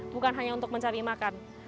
bukan hanya untuk mencari makan